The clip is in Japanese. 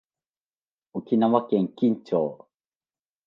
沖縄県金武町